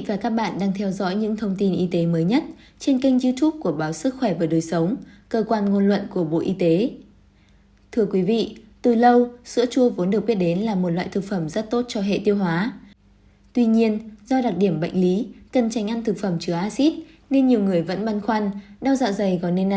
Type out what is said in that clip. hãy đăng ký kênh để ủng hộ kênh của chúng mình nhé